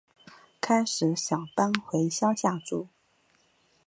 开始想搬回乡下住